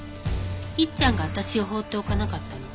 いっちゃんが私を放っておかなかったの。